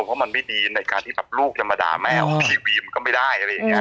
เพราะมันไม่ดีในการที่แบบลูกจะมาด่าแม่ออกทีวีมันก็ไม่ได้อะไรอย่างนี้